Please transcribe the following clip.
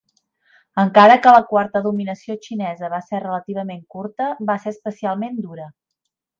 Encara que la quarta dominació xinesa va ser relativament curta, va ser especialment dura.